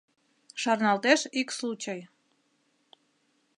Шарналтеш ик случай.